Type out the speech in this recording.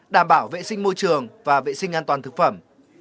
đảm bảo vệ sinh môi trường và vệ sinh an toàn thực phẩm